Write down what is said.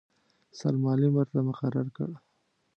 سرمعلم ورته مقرر کړ.